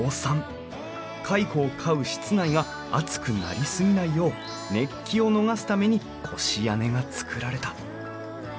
蚕を飼う室内が暑くなり過ぎないよう熱気を逃がすために越屋根が造られた。